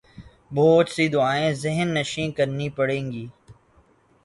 بہت سی دعائیں ذہن نشین کرنی پڑیں گی۔